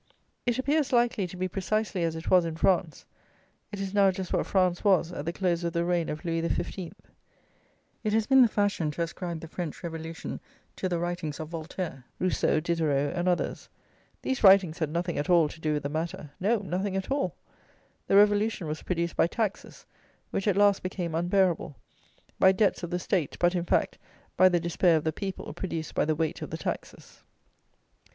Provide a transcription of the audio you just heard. It appears likely to be precisely as it was in France: it is now just what France was at the close of the reign of Louis XV. It has been the fashion to ascribe the French Revolution to the writings of Voltaire, Rousseau, Diderot, and others. These writings had nothing at all to do with the matter: no, nothing at all. The Revolution was produced by taxes, which at last became unbearable; by debts of the State; but, in fact, by the despair of the people, produced by the weight of the taxes.